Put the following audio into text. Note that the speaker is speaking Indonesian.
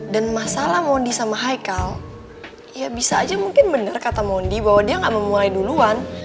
dan masalah mondi sama haikal ya bisa aja mungkin bener kata mondi bahwa dia gak memulai duluan